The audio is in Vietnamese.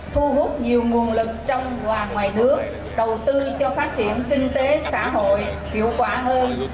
thu hút nhiều nguồn lực trong và ngoài nước đầu tư cho phát triển kinh tế xã hội hiệu quả hơn